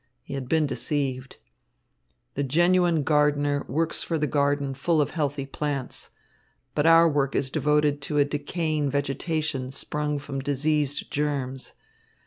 He had been deceived. "The genuine gardener works for the garden full of healthy plants; but our work is devoted to a decaying vegetation sprung from diseased germs.